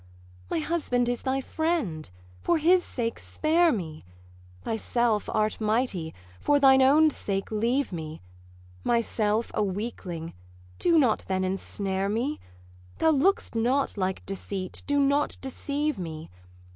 'My husband is thy friend; for his sake spare me: Thyself art mighty; for thine own sake leave me: Myself a weakling; do not then ensnare me: Thou look'st not like deceit; do not deceive me.